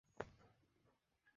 মুখোমুখি এসে বসার দরকার নেই।